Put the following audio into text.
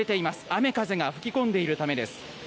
雨風が吹き込んでいるためです。